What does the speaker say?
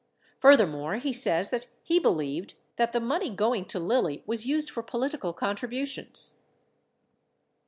Furthermore, he says that he believed that the money going to Lilly was used for political contributions.